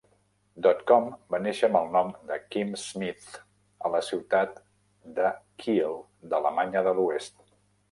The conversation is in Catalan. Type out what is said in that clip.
Dotcom va néixer amb el nom de Kim Schmitz a la ciutat de Kiel de l'Alemanya de l'Oest.